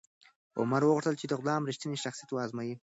عمر غوښتل چې د غلام رښتینی شخصیت و ازمایي.